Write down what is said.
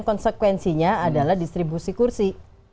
konsekuensinya adalah distribusi kursi